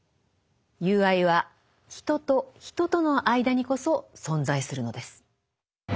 友愛は人と人との間にこそ存在するのです。